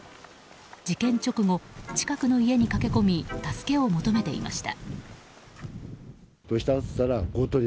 事件直後、近くの家に駆け込み助けを求めていました。